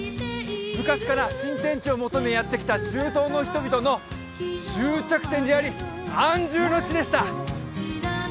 昔から新天地を求めやって来た中東の人々の終着点であり安住の地でした